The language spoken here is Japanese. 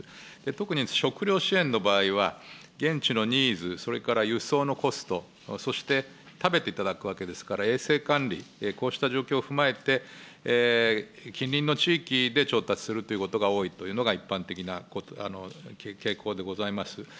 特に食料支援の場合は現地のニーズ、それから輸送のコスト、そして食べていただくわけですから、衛生管理、こうした状況を踏まえて、近隣の地域で調達するということが多いというのが一般的な傾向でございます。